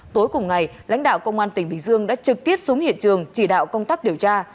tối cùng ngày lãnh đạo công an tỉnh bình dương đã trực tiếp xuống hiện trường chỉ đạo công tác điều tra